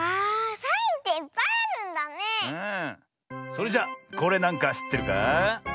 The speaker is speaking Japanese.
それじゃこれなんかしってるかあ？